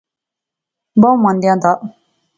بہوں مندیاں دا